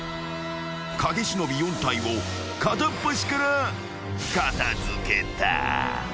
［影忍４体を片っ端から片付けた］